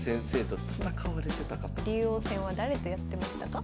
竜王戦は誰とやってましたか？